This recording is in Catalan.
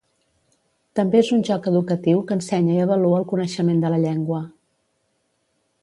També és un joc educatiu que ensenya i avalua el coneixement de la llengua.